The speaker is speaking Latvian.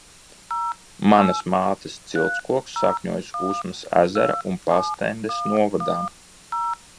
Manas mātes ciltskoks sakņojas Usmas ezera un Pastendes novadā.